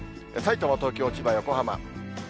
さいたま、東京、千葉、横浜。